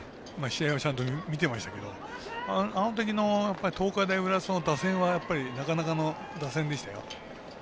試合はちゃんと見てましたけどあのときの東海大浦安の打線はなかなかの打線でしたよ。